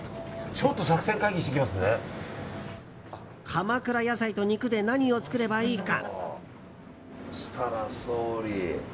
鎌倉野菜と肉で何を作ればいいか。